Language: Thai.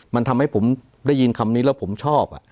มันทำให้ผมได้ยินคำนี้แล้วผมชอบ